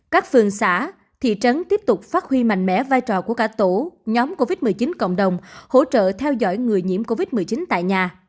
các phường xã thị trấn tiếp tục phát huy mạnh mẽ vai trò của cả tổ nhóm covid một mươi chín cộng đồng hỗ trợ theo dõi người nhiễm covid một mươi chín tại nhà